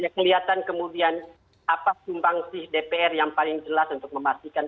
kelihatan kemudian apa sumbangsih dpr yang paling jelas untuk memastikan